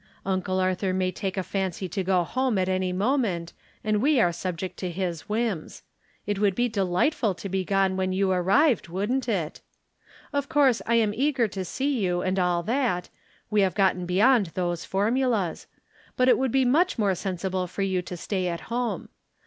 Uncle Arthur may take a fancy to go home at any moment, and we are subject to his whims. It would be dehghtful to be gone when you arrived, wouldn't it ? Of course I am eager to see you and all that ; we have gotten beyond those formulas ; but it would be much more sensible for you to stay at home.